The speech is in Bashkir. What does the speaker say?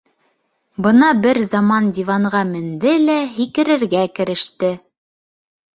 Бына бер заман диванға менде лә һикерергә кереште.